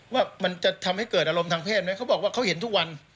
ว่ามันจะทำให้เกิดอารมณ์ทางเพศไหมเขาบอกว่าเขาเห็นทุกวัน